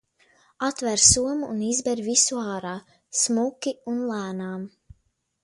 Atver somu un izber visu ārā, smuki un lēnām.